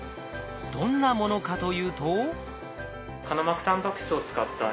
どんなものかというと。